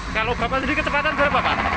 kalau berapa tadi kecepatan berapa pak